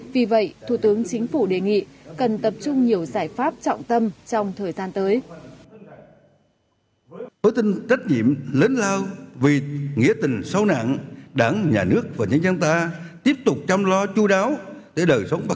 vì vậy thủ tướng chính phủ đề nghị cần tập trung nhiều giải pháp